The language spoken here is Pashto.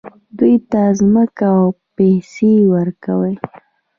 دوی ته ځمکه او پیسې ورکوي.